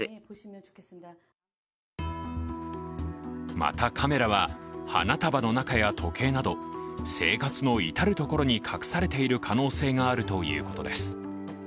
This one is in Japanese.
また、カメラは花束の中や時計など生活の至る所に隠されている可能性があるということです。